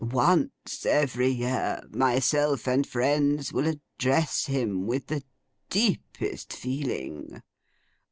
Once every year, myself and friends will address him with the deepest feeling.